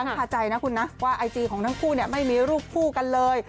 คาใจนะคุณนะว่าไอจีของทั้งคู่ไม่มีรูปคู่กันเลย